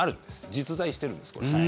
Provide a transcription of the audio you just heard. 実在しているんです、これ。